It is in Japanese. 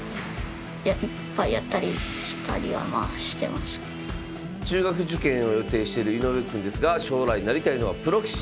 まずは中学受験を予定している井上くんですが将来なりたいのはプロ棋士。